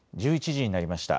１１時になりました。